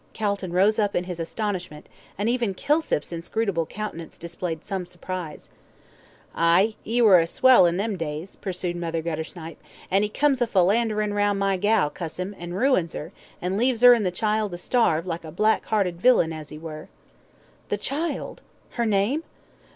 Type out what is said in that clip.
Calton rose up in his astonishment, and even Kilsip's inscrutable countenance displayed some surprise. "Aye, 'e were a swell in them days," pursued Mother Guttersnipe, "and 'e comes a philanderin' round my gal, cuss 'im, an' ruins 'er, and leaves 'er an' the child to starve, like a black 'earted villain as 'e were." "The child! Her name?"